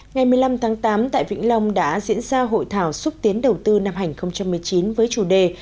ngày một mươi năm tháng tám tại vĩnh long đã diễn ra hội thảo xúc tiến đầu tư năm hai nghìn một mươi chín với chủ đề